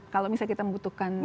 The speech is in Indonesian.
kalau misalnya kita membutuhkan